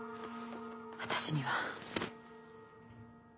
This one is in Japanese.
私には。